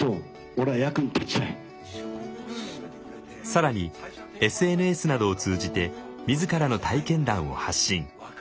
更にＳＮＳなどを通じて自らの体験談を発信。